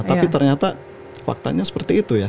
tapi ternyata faktanya seperti itu ya